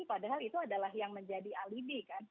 padahal itu adalah yang menjadi alibi kan